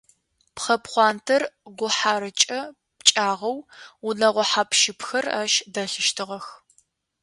Пхъэ пхъуантэр гухьарэкӏэ пкӏагъэу, унэгъо хьап-щыпхэр ащ дэлъыщтыгъэх.